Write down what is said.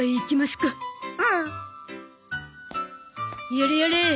やれやれ。